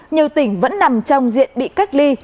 nhiều tỉnh vẫn nằm trong diện bị cách ly